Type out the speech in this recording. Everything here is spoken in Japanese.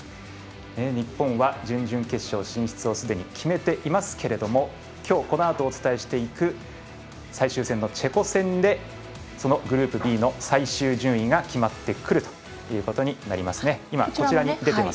日本は、準々決勝進出をすでに決めていますけれどもきょう、このあとお伝えしていく最終戦のチェコ戦でグループＢの最終順位が決まってくるということになりますね。